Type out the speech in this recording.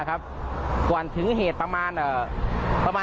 ต้องไปสูงให้ครับ